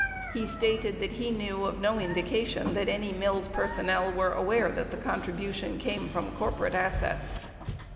He stated that he knew of no indication that any Mills personnel were aware that the contribution came from corporate assets.